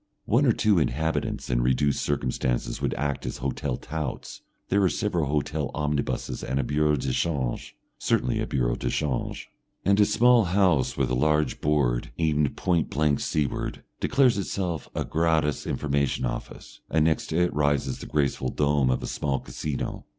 One or two inhabitants in reduced circumstances would act as hotel touts, there are several hotel omnibuses and a Bureau de Change, certainly a Bureau de Change. And a small house with a large board, aimed point blank seaward, declares itself a Gratis Information Office, and next to it rises the graceful dome of a small Casino.